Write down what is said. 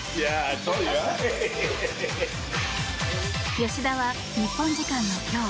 吉田は日本時間の今日